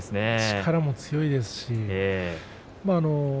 力も強いですし。